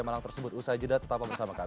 malang tersebut usai jeda tetap bersama kami